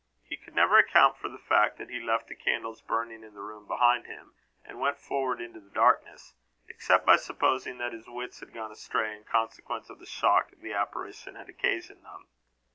He could never account for the fact, that he left the candles burning in the room behind him and went forward into the darkness, except by supposing that his wits had gone astray, in consequence of the shock the apparition had occasioned them.